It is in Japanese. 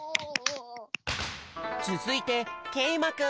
つづいてけいまくん！